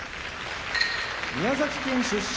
宮崎県出身